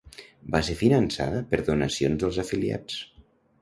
Va ser finançada per donacions dels afiliats.